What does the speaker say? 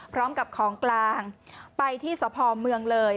พร้อมกับของกลางไปที่สพเมืองเลย